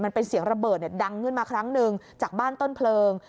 มันเป็นเสียงระเบิดดังขึ้นมาครั้งหนึ่งจากบ้านต้นเพลิง